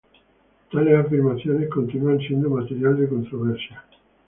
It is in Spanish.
Tales afirmaciones continúan siendo materia de controversia.